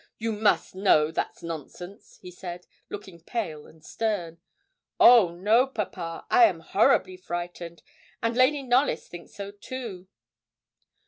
You must know that's nonsense,' he said, looking pale and stern. 'Oh no, papa. I am horribly frightened, and Lady Knollys thinks so too.'